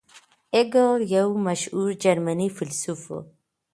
هیګل یو مشهور جرمني فیلسوف و.